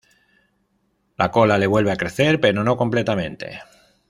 La cola le vuelve a crecer pero no completamente.